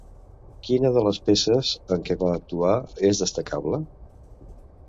Quina de les peces en què va actuar és destacable?